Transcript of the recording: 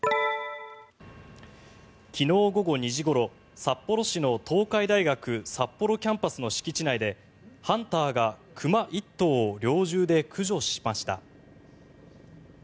昨日午後２時ごろ札幌市の東海大学札幌キャンパスの敷地内でハンターが熊１頭を猟銃で駆除しました。